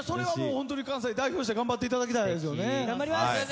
関西代表して頑張っていただきたいです。